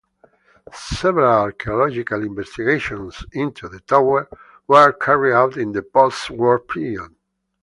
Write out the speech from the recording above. Several archaeological investigations into the tower were carried out in the post war period.